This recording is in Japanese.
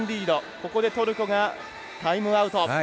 ここでトルコがタイムアウト。